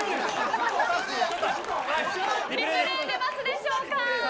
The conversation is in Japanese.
・リプレー出ますでしょうか？